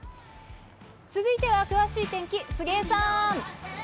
続いては、詳しい天気、杉江さん。